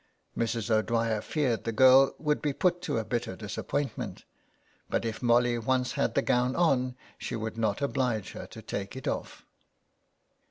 Mrs. O'Dwyer feared the girl would be put to a bitter disappointment, but 252 THE WEDDING GOWN. if Molly once had the gown on she would not oblige her to take it off.